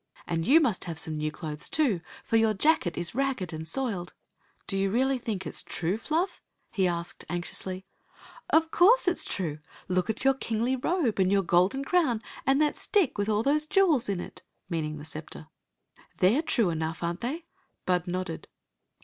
And you must have some new clothes, too, for your jacket is ragged and soiled. " Do you really think it s true. Fluff? " he asked anxiously. " Of course it 's true. Look at your kingly robe, and your golden crown, and fhat stick with aU those jewels in it !— meaning the scepter. " They *re true enough, are n't they?" Bud nodded.